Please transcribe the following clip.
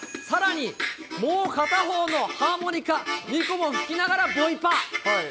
さらに、もう片方のハーモニカ２個も吹きながらボイパ。